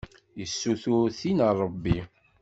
Yessutur tin a Ṛebbi.